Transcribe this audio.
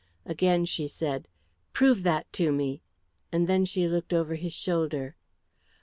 Again she said, "Prove that to me!" and then she looked over his shoulder.